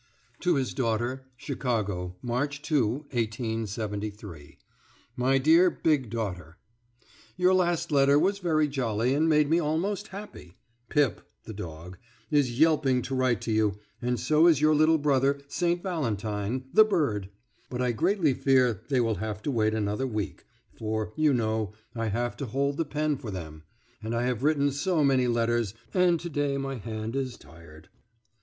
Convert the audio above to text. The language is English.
TO HIS DAUGHTER CHICAGO, March 2, 1873. MY DEAR BIG DAUGHTER: Your last letter was very jolly, and made me almost happy. Pip (the dog) is yelping to write to you, and so is your little brother, St. Valentine, the bird; but I greatly fear they will have to wait another week, for, you know, I have to hold the pen for them, and I have written so many letters, and to day my hand is tired.